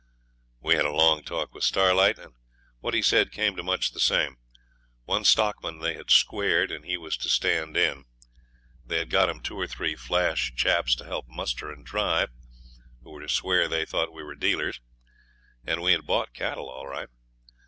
We had a long talk with Starlight, and what he said came to much the same. One stockman they had 'squared', and he was to stand in. They had got two or three flash chaps to help muster and drive, who were to swear they thought we were dealers, and had bought cattle all right.